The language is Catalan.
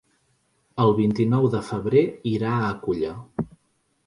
El vint-i-nou de febrer irà a Culla.